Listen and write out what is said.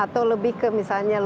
atau lebih ke misalnya